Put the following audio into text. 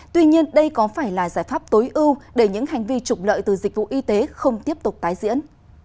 tuy nhiên đây có phải là giải pháp tối ưu để những hành vi trục lợi từ dịch vụ y tế không tiếp tục tái diễn